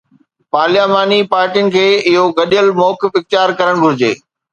پارلياماني پارٽين کي اهو گڏيل موقف اختيار ڪرڻ گهرجي.